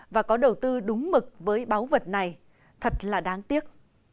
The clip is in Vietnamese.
và có đầu tư đúng mực với báu vật này thật là đáng tiếc